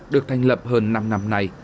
được thành lập hơn năm năm nay